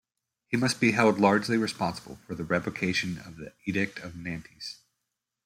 He must be held largely responsible for the revocation of the Edict of Nantes.